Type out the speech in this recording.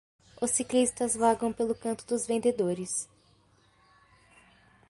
Os ciclistas vagam pelo canto dos vendedores.